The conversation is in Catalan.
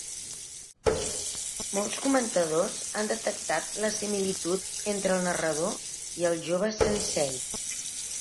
Molts comentadors han detectat la similitud entre el narrador i el jove "sensei".